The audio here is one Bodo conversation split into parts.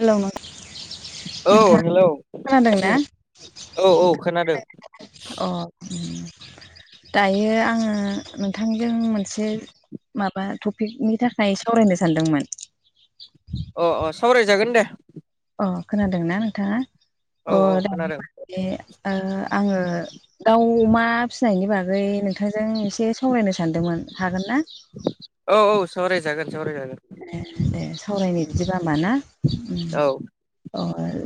हेलौ नों औ हेलौ ना औ औ खोनादों उम दायो आङो नोंथांजों मोनसे माबा टपिकनि थाखाय सावरायनो सानदोंमोन अ अ सावरायजागोन दे ओ खोनादोंना नोंथाङा? औ अ औ दानि खोनादों बादि ओ आङो दाउ अमा फिसिनायनि बागै नोंथांजों एसे सावरायनो सानदोंमोन हागोन ना? औ औ सावरायजागोन-सावरायजागोन ए दे सावरायनाय बिदिबा ओमबा ना उम औ अ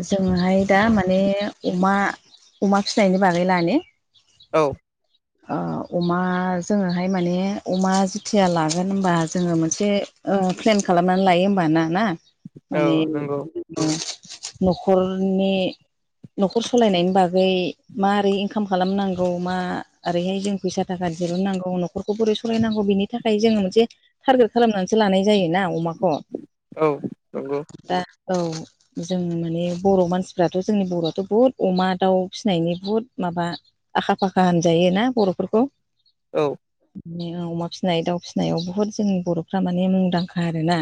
जोंहाय दा माने अमा अमा फिनायनि बागै लानि औ [inaudible] ओ अमा जोङोहाय माने अमा जेथिया लागोन ओमबा जोङो मोनसे ओ प्लेन खालामनानै लायो ओमबा ना ना माने औ नंगौ नखरनि नखर सलायनायनि बागै मारै इनकाम खालामनांगौ मा ओरैहाय जों फैसा थाखा दिरहुननांगौ नखरखौ बोरै सलायनांगौ बिनि थाखाय जोङो मोनसे टारगेट खालामना- सो लानाय जायोना अमाखौ औ नंगौ दा औ जों माने बर' मानसिफ्राथ' जोंनि बर'आथ' बुहुद अमा दाउ फिसिनायनि बुहुद माबा आखा-फाखा होनजायो ना बर'फोरखौ? औ माने अमा फिसिनाय दाउ फिसिनायाव बुहुद जोंनि बर'फ्रा माने मुंदांखा आरोना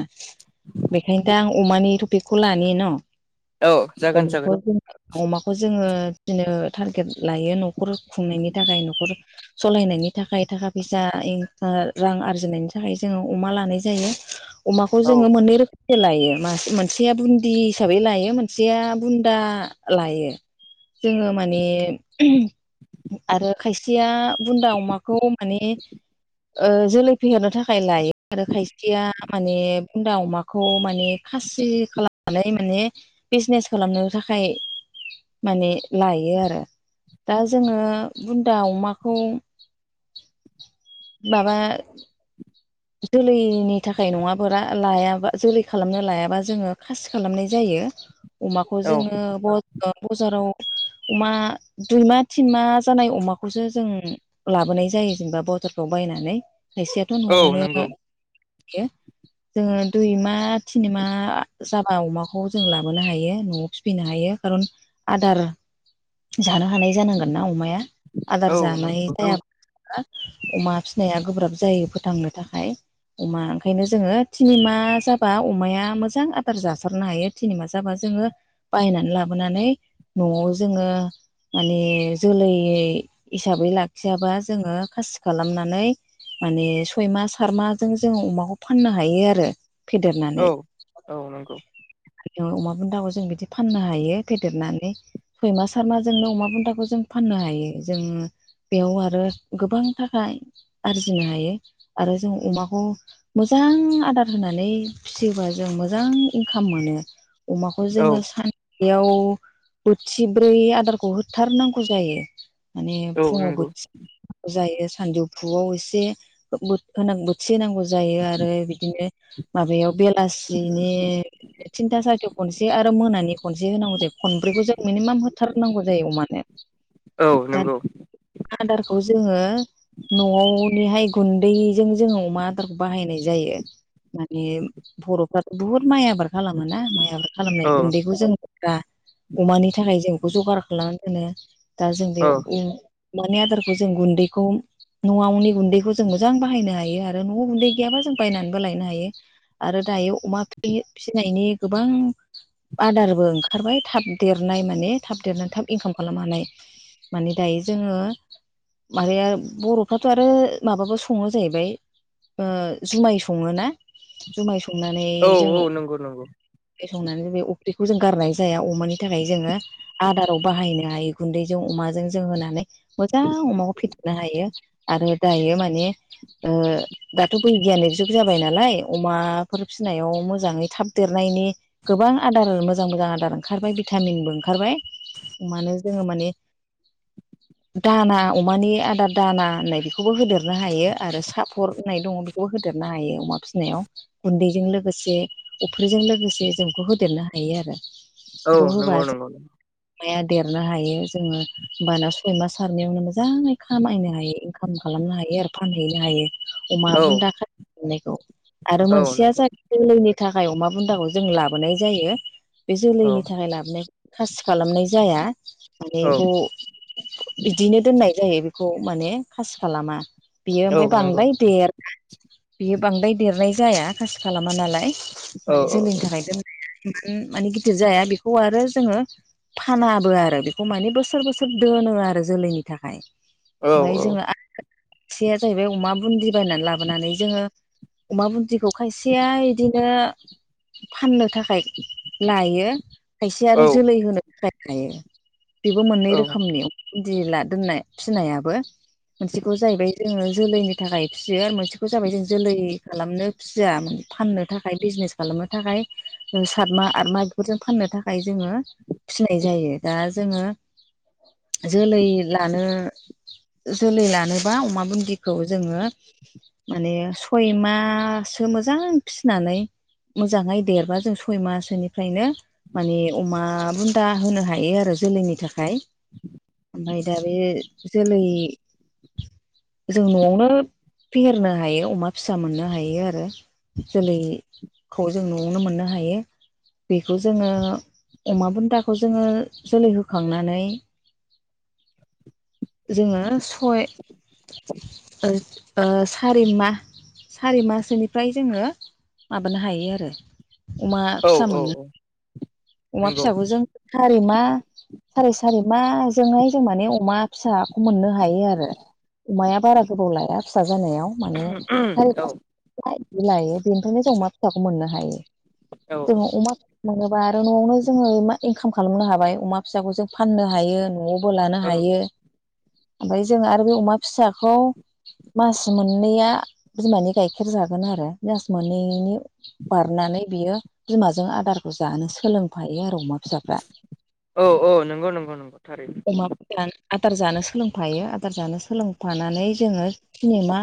बेखायनो दा आं अमानि टपिकखौ लानि न' औ [unintelligible] जागोन जागोन अमाखौ जोङो फिनो टारगेट लायो न'खर खुंनायनि थाखाय। न'खर सलायनायनि थाखाय थाखा फैसा इन ओ रां आरजिनायनि थाखाय जोङो अमा लानाय जायो। अमाखौ औ जोङो मोननै रो- लायो मासे मोनसेया बुन्दि हिसाबै लायो मोनसेया बुन्दा लायो। जोङो माने आरो खायसेया बुन्दा अमाखौ माने ओ जोलै फेहेरनो थाखाय लाय- आरो खायसेया माने बुन्दा अमाखौ माने खासि खालामनानै माने बिजनेस खालामनो थाखाय माने लायो आरो। दा जोङो बुन्दा अमाखौ माबा जोलैनि थाखाय नङाफोरा लायाबा जोलै खालामनो लायाबा जोङो खासि खालामनाय जायो। अमाखौ औ जोङो ब-बजाराव अमा दुइ मा तिन मा जानाय अमाखौसो जों लाबोनाय जायो जेनेबा बाजारफ्राव बायनानै खायसेयाथ' औ न'आवनो नंगौ जोङो दुइ मा थिन मा जाबा अमाखौ जों लाबोनो हायो न'आव फिनो हायो खारन आदार जानो हानाय जानांगोन ना अमाया आदार औ नों जानाय जायाब्ला अमा फिनाया गोब्राब जायो फोथांनो थाखाय अमा ओंखायनो जोङो थिनिमा जाबा अमाया मोजां आदार जासारनो हायो थिनिमा जाबा जोङो बायनानै लाबोनानै न'आव जोङो माने जोलै हिसाबै लाखियाबा जोङो खासि खालामनानै माने सयमा सारमाजों जों अमाखौ फाननो हायो आरो। फेदेरनानै औ औ नंगौ अमा बुन्दाखौ जों बिदि फाननो हायो फेदेरनानै। सयमा सारमा जोंनो अमा बुन्दाखौ जों फाननो हायो जोङो बेयाव आरो गोबां थाखा आरजिनो हायो आरो जों अमाखौ मोजां आदार होनानै फिसियोबा जों मोजां इनकाम मोनो। अमाखौ औ जोङो सान बेयाव बोथिब्रै आदारखौ होथारनांगौ जायो। माने औ फुङाव नंगौ बोथि जायो सानजौफुआव एसे [unintelligible] बोथि होनांगौ जायो आरो बिदिनो माबायाव बेलासि बिनि थिनथा सारथायाव खनसे आरो मोनानि खनसे होनांगौ जायो खनब्रैखौ जों मिनिमाम होथारनांगौ जायो अमानो। [inaudible] औ दा नंगौ। आदारखौ जोङो न'आवनिहाय गुन्दैजों जोङो अमा आदारखौ बाहायनाय जायो। माने बर'फ्राथ' बुहुत माइ आबाद खालामोना माइ आबाद औ खालामनाय गुन्दैखौ जों दा अमानि थाखाय जों बेखौ जगार खालामनानै दोनो दा जों बे औ मानि आदारखौ जों गुन्दैखौ न'आवनि गुन्दैखौ जों जों मोजां बाहायनो हायो आरो न'आव गुन्दै गैयाबा जों बायनानैबो लायनो हायो। आरो दायो अमा फिसिनायनि गोबां आदारबो ओंखारबाय थाब देरनाय माने थाब देरनानै थाब इनकाम खालाम हानाय। माने दायो जोङो माबाया बर'फ्राथ' आरो माबाबो सङो जाहैबाय जुमाय सङो ना। जुमाय संनानै औ जोङो नंगौ नंगौ संनानै बे अफ्रिखौ जों गारनाय जाया अमानि थाखाय जोङो आदाराव बाहायनो हायो गुन्दैजों अमाजों जों होनानै मोजां अमाखौ फेदेरनो हायो आरो दायो माने ओ दाथ' बैगियानिक जुग जाबाय नालाय अमाफोर फिसिनायाव मोजाङै थाब देरनायनि गोबां आदार मोजां मोजां आदार ओंखारबाय भिटामिनबो ओंखारबाय अमानो जोङो माने दाना अमानि आदार दाना होननाय बिखौ बेखौबो होदेरनो हायो आरो साफर होननाय दङ बेखौबो होदेरनो हायो अमा फिसिनायाव गुन्दैजों लोगोसे अफ्रिजों लोगोसे जोंखौ होदेरनो हायो औ आरो। नंगौ [unintelligible] नंगौ माया देरनो हायो जोङो होमबाना सय मास सारनायावनो मोजाङै खामायनो हायो। खाम खालामनो हायो आरो फानहैनो हायो अमा औ बुन्दा खानायखौ आरो औ मोनसेया नंगौ जाहै जोलैनि थाखाय अमा बुन्दाखौ जों लाबोनाय जायो बे औ जोलैनि थाखाय लाबोनाय खासि खालामनाय जाया माने औ एखौ बिदिनो दोननाय जायो बेखौ माने खासि खालामा। बियो औ ओमफ्राय नंगौ बांद्राय देर बियो बांद्राय देरनाय जाया खासि खालामा नालाय औ माने औ जोलैनि थाखाय जों माने गिदिर जाया बेखौ आरो जोङो फानाबो आरो बेखौ माने बोसोर बोसोर दोनो आरो जोलैनि थाखाय औ औ। खाथिया जाहैबाय अमा बुन्दि बायनानै लाबोनानै जोङो अमा बुन्दिखौ खायसेया इदिनो फाननो थाखाय लायो खायसे औ आरो जोलै होनो थाखाय थायो बेबो मोननै रोखोमनि बिदि ला दोननाय फिसिनायाबो मोनसेखौ जाहैबाय जोङो जोलैनि थाखाय फिसियो आरो मोनसेखौ जाबाय जों जोलै खालामनो खुसिया फाननो थाखाय बिजनेस खालामनो थाखाय सात माहा आत माहा बेफोरजों फाननो थाखाय खाय जोङो फिसिनाय जायो दा जोङो जोलै लानो जोलै लानोबा अमा बुदिखौ जोङो माने सयमासो मोजां फिसिनानै मोजाङै देरबा जों सय मासोनिफ्रायनो माने अमा बुन्दा होनो हायो आरो जोलैनि थाखाय ओमफ्राय दा बे जोलै जों न'आवनो फेहेरनो हायो अमा फिसा मोननो हायो आरो जोलै खौ जों न'आवनो मोननो हायो बेखौ जोङो अमा बुन्दाखौ जोङो जोलै होखांनानै जोङो सय ओ ओ सारि मा सारि मासोनिफ्राय जोङो माबानो हायो आरो अमा औ फिसा औ मोनो अमा नंगौ फिसाबो जों सारि मा सारि सारि माजोंनो जों माने अमा फिसा मोननो हायो आरो अमाया बारा गोबाव लाया फिसा जानायाव माने सारि औ पास लायो बेनिफ्रायनो जों अमा फिसाखौ मोननो हायो। औ। जों अमा मोनोबा आरो न'आवनो जोङो मा इनकाम खालामनो हाबाय अमा फिसाखौ जों फाननो हायो न'आव ब लानो औ हायो ओमफ्राय जों आरो बे अमा फिसाखौ मास मोननैया बिमानि गाइखेर जागोन आरो मास मोननैनि बारनानै बियो बिमाजों आदारखौ जानो सोलोंफायो आरो अमा फिसाफ्रा औ औ नंगौ नंगौ नंगौ थारैनो । अमा आदार जानो सोलोंफायो आदार जानो सोलोंफानानै जोङो तिनिमा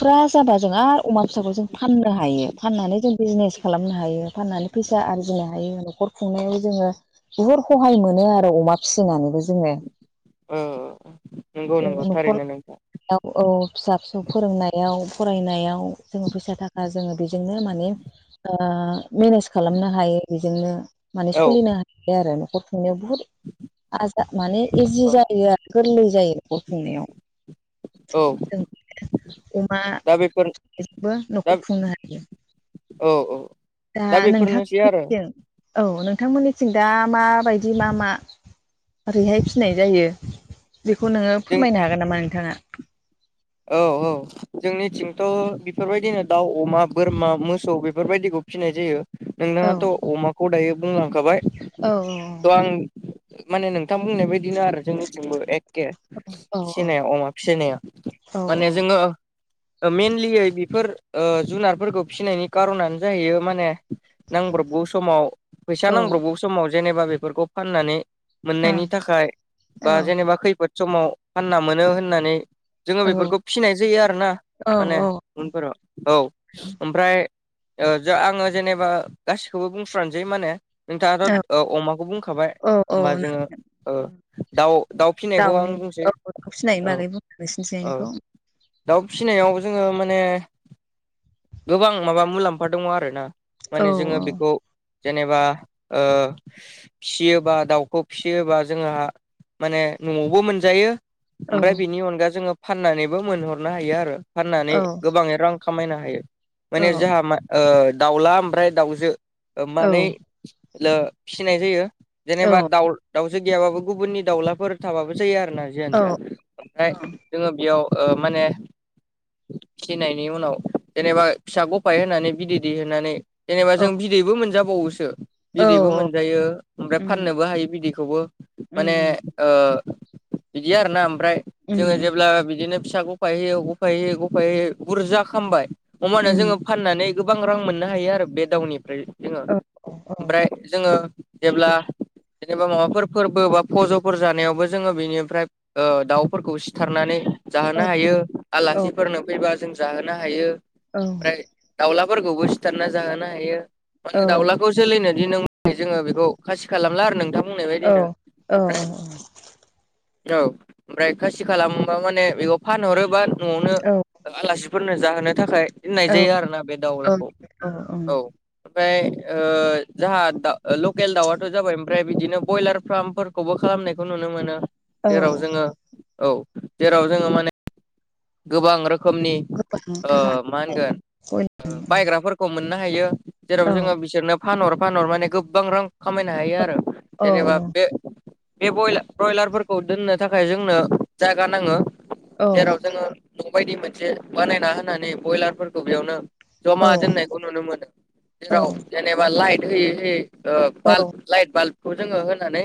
फुरा जाबा जों आरो अमा फिसाखौ जों फाननो हायो फाननानै जों बिजनेस खालामनो हायो फाननानै फैसा आरजिनो हायो न'खर खुंनायाव जोङो बुहुदहाय मोनो आरो अमा फिसिनानैबो जोङो औ औ औ ज न'खर औ फिसा फिसौ फोरोंनायाव फरायनायाव जोङो फैसा थाखा जोङो बेजोंनो माने मेनेज खालामनो हायो बेजोंनो माने औ सोलिनो हायो आरो न'खर खुंनायाव बुहुत आज माने इजि औ जायो आरो गोरलै जायो न गर खुंनायाव औ जों अमा दा बेफोर दा न'खर खुंनो हायो। औ औ दा नोंथां बेफोरनोसै आरो [unintelligible] औ नोंथांमोननिथिं दा माबायदि मा मा ओरैहाय फिसिनाय जायो बेखौ नोङो जों फोरमायनो हागोन नामा नोंथाङा? औ औ जोंनिथिंथ' बेफोरबायदिनो दाउ अमा बोरमा मोसौ बेफोरबायदिखौ फिसिनाय जायो नोंथाङाथ' अमाखौ दायो बुंलांखाबाय । औ औ औ। थ' आं माने नोंथां बुंनाय बायदिनो आरो जोंनिथिंबो एखे औ फिसिनाया अमा फिसिनाया, औ माने जोङो मइेनलियै बेफोर जुनारफोरखौ फिसिनायनि कारनानो जाहैयो माने नांब्रबगौ समाव फैसा औ नांब्रबगौ समाव जेनेबा बेफोरखौ फाननानै औ मोननायनि थाखाय औ बा जेनेबा खैफोद समाव फानना मोनो होननानै जोङो बेफोरखौ फिसिनाय जायो आरो ना, माने उनफोराव औ। ओमफ्राय आङो जेनेबा गासिखौबो बुंस्रानोसै माने। औ नोंथाङाथ' अमाखौ बुंखाबाय। औ औ होमबा जोङो दाउ दाउ फिसिनायखौ आं दाउनि बुंसै। औ दा फसिनायनि औ बागै औ [unintelligible] दाउ फिसिनायाव जोङो माने गोबां माबा मुलाम्फा दङ आरोना। औ माने जोङो बेखौ जेनेबा फिसियोबा दाउखौ फिसियोबा जोंहा माने न'आवबो मोनजायो, औ ओमफ्राय बेनि अनगा जोङो फाननानैबो मोनहरनो हायो आरो फाननानै औ गोबाङै रां खामायनो हायो माने औ जोंहा म दाउला ओमफ्राय दाउजो, औ मानैे फिसिनाय जायो‌ औ जेनेबा दाउ दाउसो गैयाबाबो गुबुननि दाउलाफोर थाबाबो जायो आरो ना जियानोजा औ ओमफ्राय जोङो बेयाव माने फिसिनायनि उनाव जेनेबा फिसा गफाय होनानै बिदै दै होनानै जेनेबा जों बिदैबो मोनजाबावोसो। औ बिदैबो मोनजायो ओमफ्राय उम फाननोबो हायो बिदैखौबो। माने उम बिदि आरोना ओमफ्राय उम जोङो उम जेब्ला बिदिनो फिसा गफाय होैयो गफाय होय गफाययै बुरजा खामबाय हबाना उम जोङो फाननानै गोबां रां मोननो हायो आरो बे दाउनिफ्राय जोङो औ औ ओमफ्राय जोङो जेब्ला जेनेबा माबाफोर फोरबो बा फज'फोर जानायावबो जोङो बेनिफ्राय दाउफोरखौ सिथारनानै जाहोनो औ हायो। औ आलासिफोरनो फैबा जों जाहोनो हायो। ओमफ्राय दाउलाफोरखौबो सिथारना जाहोनो हायो, औ माने दाउला खौ जोलैनो दिन जोङो बेखौ खासि खालामला आरो नोंथां। बुंनो औ बायदिनो औ ओमफ्राय औ ओमफ्राय खासि खालामोबा माने बेखौ फानहरोबा न'आवनो आलासिफोरनो जाहोनो थाखाय दोननाय जायो आरोना बे औ दाउलाखौ औ। ओमफ्राय जाहा द लकेल दाउवथ' जाबाय ओमफ्राय बिदिनो बयलार फार्मफोर खौबो खालामनायखौ नुनो मोनो। औ जेराव जोङो औ जेराव जोङो माने गोबां रोखोमनि मा गोबां थाखा होनगोन औ बायग्राफोरखौ मोननो हायो, जेराव औ जोङो बिसोरनो फानहर फानहर माने गोबां रां खामायनो हायो आरो, औ जेनेबा बे बे ब्रयलारफोरखौ दोननो थाखाय जोंनो जागा नाङो। औ जेराव जोङो न' बायदि मोनसे बानायना होनानै ब्रयलारफोरखौ बेयावनो औ जमा दोननायखौ नुनो मोनो जेराव जेनेबा लाइट होयै होयै बाल्ब लाइट बाल्बखौ जोङो होनानै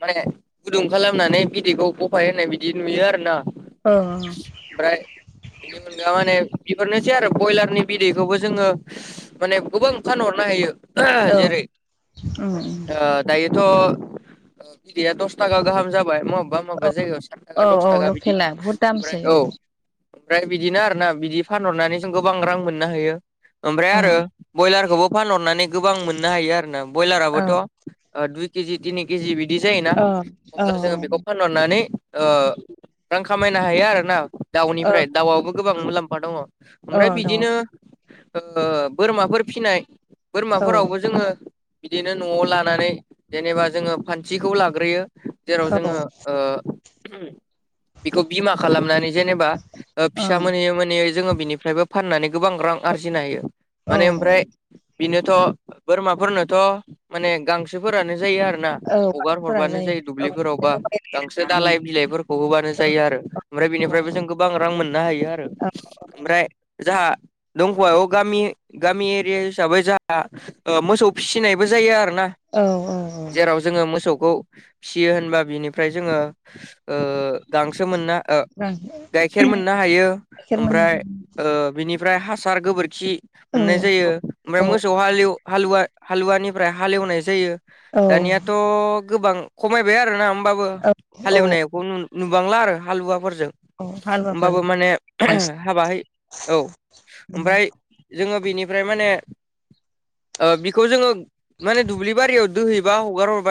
माने गुदुं खालामनानै बिदैखौ बफाय होननाय बिदि नुयो आरो ना। माने औ। ओमफ्राय बेनि अनगा माने बिफोरनोसै आरो ब्रयलारनि बिदैखौबो जोङो माने गोबां फानहरनो हायो जेरै औ दायोथ' बिदैया दस थाखा गाहाम जाबाय मबेबा मबेबा जायगायाव। दस औ थाखा बिदि लकेला बुहुद ओमफ्राय दामसै औ। ओमफ्राय बिदिनो आरो ना बिदि फानहरनानै जों गोबां रां मोननो हायो। ओमफ्राय आरो ओं बयलारखौबो फानहरनानै गोबां मोननो हायो आरोना औ ब्रयलाराबोथ' दुइ केजि तिनि केजि बिदि जायोना औ औ अब्ला जोङो बेखौ फानहरनानै ओ रां खामायनो हायो आरो ना औ दाउनिफ्राय दाउआवबो गोबां मुलाम्फा दङ औ ओमफ्राय दङ बिदिनो बोरमाफोर फिनाय औ बोरमाफोरावबो जोङो बिदिनो न'आव लानानै जेनेबा जोङो फानथिखौ लाग्रोयो जेराव जोङो बेखौ बीमा खालामनानै जेनेबा फिसा मोनै मोनै जोङो बिनिफ्रायबो फाननानै गोबां रां आरजिनो हायो ओं औ माने ओमफ्राय बेनोथ' बोरमाफोरनोथ' माने गांसोफोरानो जायो आरो ना औ हगार बाथौफोरानो हरबानो जायो औ दुब्लिफोराव बा बेखौ बायलायला गांसो दालाय बिलाइफोरखौ होबानो जायो आरो ओमफ्राय औ बेनिफ्रायबो जों गोबां रां मोननो हायो आरो ओमफ्राय जाहा दंख'व गामि गामि एरिया हिसाबै जोंहा मोसौ फिसिनायबो जायो आरो ना औ औ औ जोङो मोसौखौ फियो होनबा बिनिफ्राय जोङो गांसो मोना गाइखेर गाइखेर मोननो हायो मोननो ओमफ्राय बिनिफ्राय हासार गोबोरखि औ मोननाय जायो औ ओमफ्राय मोसौ हालेव हालुवानिफ्राय हालेवनाय जायो औ दानिया थ' गोबां खमायबाय आरोोना होमबाबो औ औ हालेवबोनायाव बे नुबांला आरो हालुवाफोरजों औ हालुवाफोर होमबाबो माने हाबाहै औ ओमफ्राय जोङो बिनिफ्राय माने बिखौ जोङो माने दुब्लि बारियाव दोहै रा